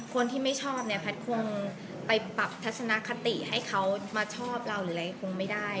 คนที่ไม่ชอบเนี่ยแพทย์คงไปปรับทัศนคติให้เขามาชอบเราหรืออะไรคงไม่ได้